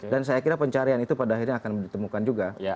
dan saya kira pencarian itu pada akhirnya akan ditemukan juga